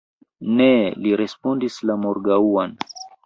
Ne, li respondis la morgaŭan.